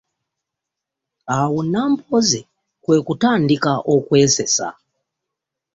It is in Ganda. Awo Nambooze kwe kutandika okwesesa.